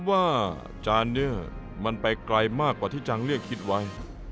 ว่าจานนี้มันไปไกลมากกว่าที่จังเรียกคิดไว้